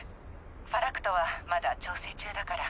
ファラクトはまだ調整中だから。